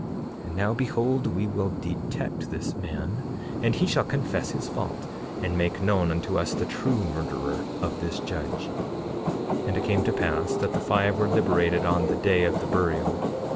9:17 And now behold, we will detect this man, and he shall confess his fault and make known unto us the true murderer of this judge. 9:18 And it came to pass that the five were liberated on the day of the burial.